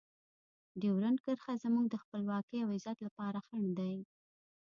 ډیورنډ کرښه زموږ د خپلواکۍ او عزت لپاره خنډ دی.